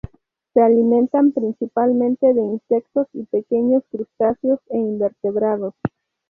Se alimentan principalmente de insectos, y pequeños crustáceos e invertebrados.